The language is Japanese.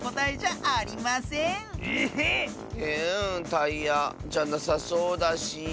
タイヤじゃなさそうだし。